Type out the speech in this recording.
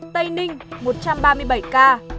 tây ninh một trăm ba mươi tám ca